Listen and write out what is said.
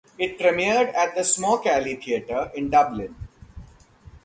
It premiered at the Smock Alley Theatre in Dublin.